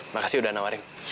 makasih udah nawarin